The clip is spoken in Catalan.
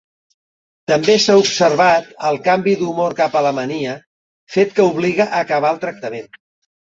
També s'ha observat el canvi d'humor cap a la mania, fet que obliga a acabar el tractament.